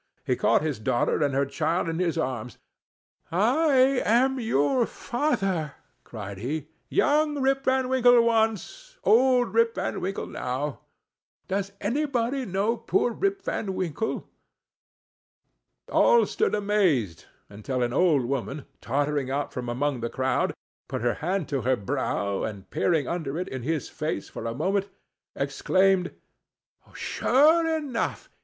He caught his daughter and her child in his arms. "I am your father!" cried he—"Young Rip Van Winkle once—old Rip Van Winkle now!—Does nobody know poor Rip Van Winkle?" All stood amazed, until an old woman, tottering out from among the crowd, put her hand to her brow, and peering under it in his face for a moment, exclaimed, "Sure enough!